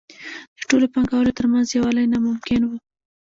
د ټولو پانګوالو ترمنځ یووالی ناممکن وو